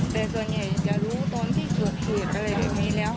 แต่ส่วนใหญ่จะรู้ตอนที่สวดสูตรอะไรแบบนี้แล้ว